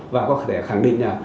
và có thể khẳng định là